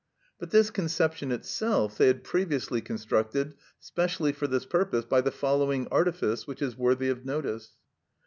But this conception itself they had previously constructed specially for this purpose by the following artifice, which is worthy of notice.